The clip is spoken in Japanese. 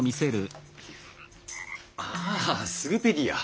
ああスグペディア。